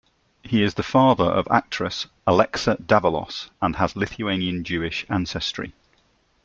He is the father of actress Alexa Davalos and has Lithuanian-Jewish ancestry.